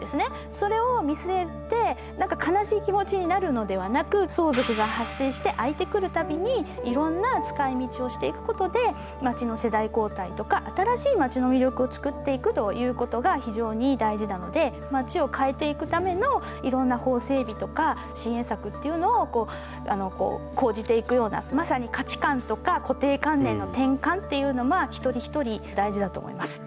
それを見据えて何か悲しい気持ちになるのではなく相続が発生して空いてくる度にいろんな使いみちをしていくことで街の世代交代とか新しい街の魅力をつくっていくということが非常に大事なので街を変えていくためのいろんな法整備とか支援策っていうのを講じていくようなまさに価値観とか固定観念の転換っていうのは一人一人大事だと思います。